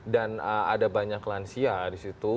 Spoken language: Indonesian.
dan ada banyak lansia disitu